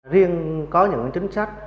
riêng có những chính sách